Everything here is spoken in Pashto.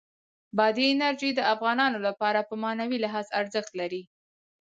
بادي انرژي د افغانانو لپاره په معنوي لحاظ ارزښت لري.